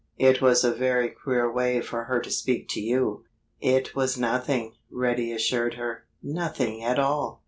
"It was a very queer way for her to speak to you." "It was nothing—" Reddy assured her—"nothing at all.